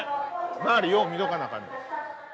周りよう見とかなあかんで。